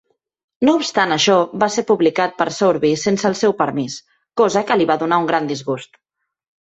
No obstant això, va ser publicat per Sowerby sense el seu permís, cosa que li va donar un gran disgust.